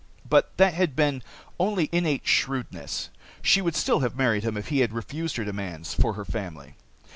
But that had been only innate shrewdness. She would still have married him had he refused her demands for her family.